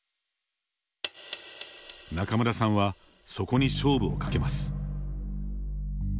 仲邑さんはそこに勝負をかけます。